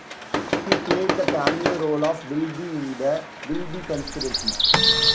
He played the cameo role of Wilby in "The Wilby Conspiracy".